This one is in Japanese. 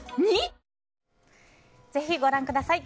ぜひご覧ください。